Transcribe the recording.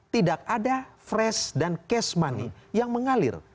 tidak ada fresh dan cash money yang mengalir